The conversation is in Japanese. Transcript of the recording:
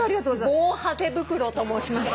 防刃手袋と申します。